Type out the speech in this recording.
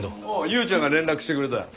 ユーちゃんが連絡してくれた。